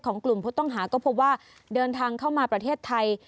กลุ่มผู้ต้องหาก็พบว่าเดินทางเข้ามาประเทศไทย